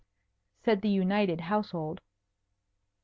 said the united household.